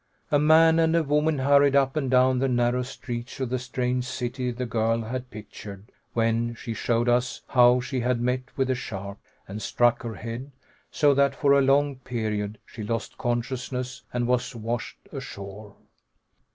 A man and a woman hurried up and down the narrow streets of the strange city the girl had pictured when she showed us how she had met with the shark, and struck her head, so that for a long period she lost consciousness and was washed ashore.